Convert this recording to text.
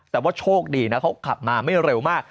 แต่ว่าโชคดีนะเขาขับมาไม่เร็วมาก